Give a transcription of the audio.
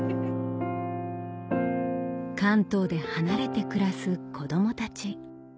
関東で離れて暮らす子供たち